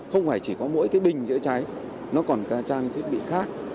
không phải chỉ có mỗi cái bình chữa cháy nó còn trang thiết bị khác